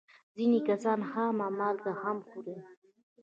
ځینې کسان خامه مالګه هم خوري.